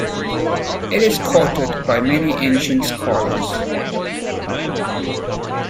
It is quoted by many ancient scholars.